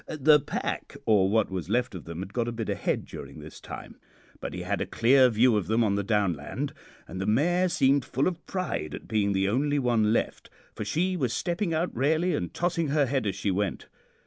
"The pack, or what was left of them, had got a bit ahead during this time; but he had a clear view of them on the downland, and the mare seemed full of pride at being the only one left, for she was stepping out rarely and tossing her head as she went.